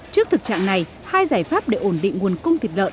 trước thực trạng này hai giải pháp để ổn định nguồn cung thịt lợn